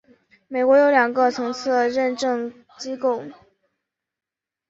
美国有两个层次的认证机构。